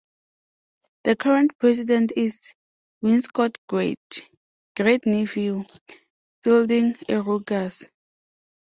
The current president is Wainscott's great, great-nephew, Fielding A. Rogers.